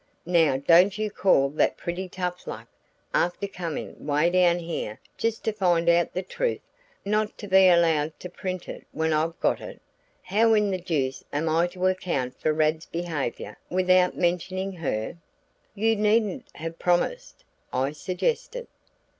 Now don't you call that pretty tough luck, after coming 'way down here just to find out the truth, not to be allowed to print it when I've got it? How in the deuce am I to account for Rad's behavior without mentioning her?" "You needn't have promised," I suggested.